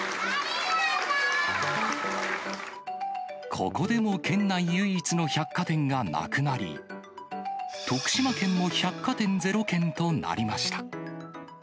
ここでも県内唯一の百貨店がなくなり、徳島県も百貨店ゼロ県となりました。